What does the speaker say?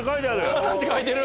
「カナ」って書いてる。